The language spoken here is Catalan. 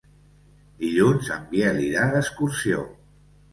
Dilluns en Biel irà d'excursió.